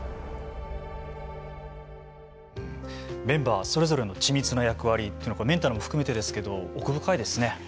メンバーそれぞれの緻密な役割というのはメンタルも含めてですけど奥深いですね。